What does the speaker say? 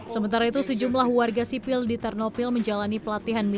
sementara itu sejumlah warga sipil di ternopil menjalani pelatihan